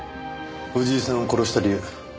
藤井さんを殺した理由。